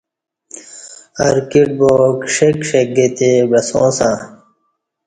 ارکیٹ با کݜیک کݜیک گہ تے بعساں سہ